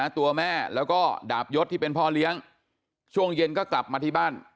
ตัวแม่แล้วก็ดาบยศที่เป็นพ่อเลี้ยงช่วงเย็นก็กลับมาที่บ้าน